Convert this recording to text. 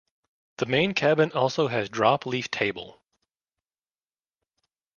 The main cabin also has drop leaf table.